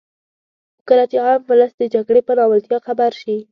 خو کله چې عام ولس د جګړې په ناولتیا خبر شي.